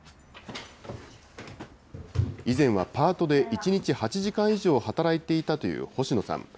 以前はパートで１日８時間以上働いていたという星野さん。